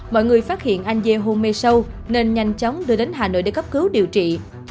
mọi người phát hiện anh dê hôn mê sâu nên nhanh chóng đưa đến hà nội để cấp cứu điều trị